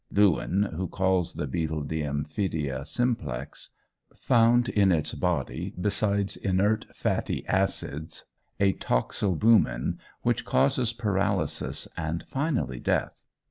Lewin, who calls the beetle Diamphidia simplex, found in its body, besides inert fatty acids, a toxalbumin which causes paralysis, and finally death.